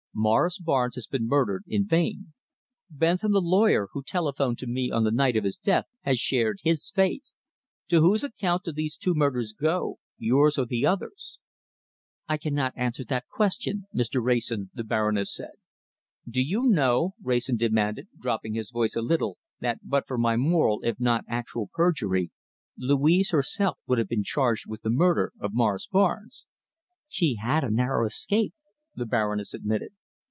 Morris Barnes has been murdered in vain; Bentham the lawyer, who telephoned to me on the night of his death, has shared his fate. To whose account do these two murders go, yours or the others'?" "I cannot answer that question, Mr. Wrayson," the Baroness said. "Do you know," Wrayson demanded, dropping his voice a little, "that, but for my moral, if not actual perjury, Louise herself would have been charged with the murder of Morris Barnes?" "She had a narrow escape," the Baroness admitted.